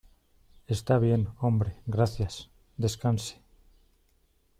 Está bien, hombre , gracias. Descanse .